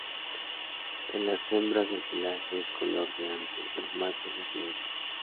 En las hembras el pelaje es color de ante, en los machos es negro.